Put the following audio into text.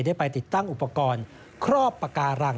ได้ไปติดตั้งอุปกรณ์ครอบปากการัง